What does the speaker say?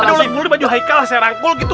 ada ulat bulu di baju haikal serangkul gitu